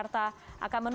kita lihat yang dimana